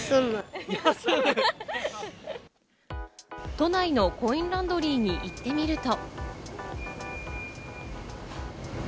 都内のコインランドリーに行ってみると。